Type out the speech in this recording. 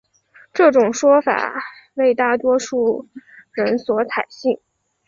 这种说法为大多数人所采信。